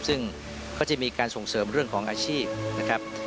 ซึ่งก็จะมีการส่งเสริมเรื่องของอาชีพนะครับ